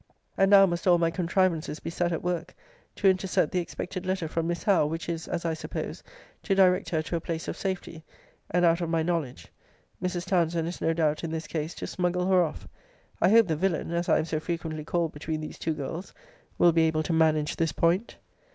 And now must all my contrivances be set at work, to intercept the expected letter from Miss Howe: which is, as I suppose, to direct her to a place of safety, and out of my knowledge. Mrs. Townsend is, no doubt, in this case, to smuggle her off: I hope the villain, as I am so frequently called between these two girls, will be able to manage this point.